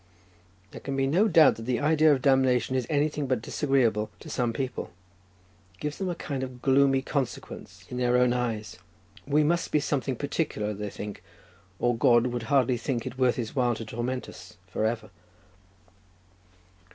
There can be no doubt that the idea of damnation is anything but disagreeable to some people; it gives them a kind of gloomy consequence in their own eyes. We must be something particular, they think, or God would hardly think it worth His while to torment us for ever.